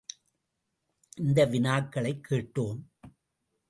இந்த வினாக்களைக் கேட்டோம்.